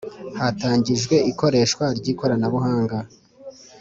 Hatangijwe ikoreshwa ry ikoranabuhanga